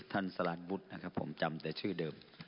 ท่านสารรวรรดิ์ผมจำแต่ชื่อเดิม